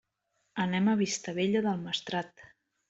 Anem a Vistabella del Maestrat.